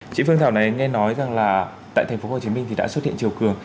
chị phương thảo này nghe nói rằng là tại tp hcm thì đã xuất hiện chiều cường